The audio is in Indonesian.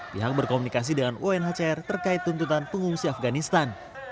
pihak berkomunikasi dengan unhcr terkait tuntutan pengungsi afganistan